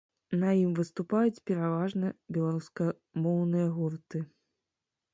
На ім выступаюць пераважна беларускамоўныя гурты.